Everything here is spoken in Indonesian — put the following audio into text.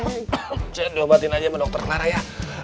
saya diobatin aja sama dokter nara ya